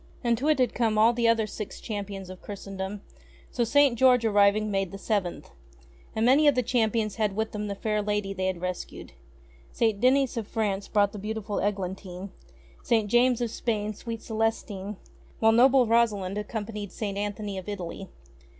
And to it had come all the other Six Champions of Christendom ; so St. George arriving made the Seventh. And many of the champions had with them the fair lady they had rescued. St. Denys of France brought beautiful Eglantine, St. James of Spain sweet Celestine, while noble Rosalind accompanied St. Anthony of Italy.